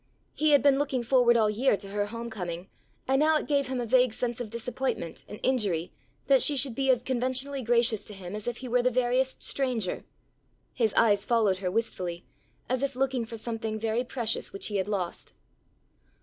He had been looking forward all year to her home coming, and now it gave him a vague sense of disappointment and injury, that she should be as conventionally gracious to him as if he were the veriest stranger. His eyes followed her wistfully, as if looking for something very precious which he had lost.